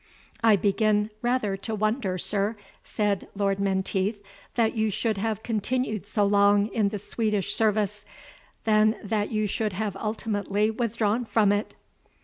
"I begin rather to wonder, sir," said Lord Menteith, "that you should have continued so long in the Swedish service, than that you should have ultimately withdrawn from it."